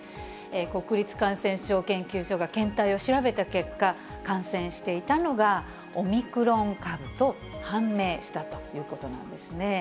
国立感染症研究所が検体を調べた結果、感染していたのがオミクロン株と判明したということなんですね。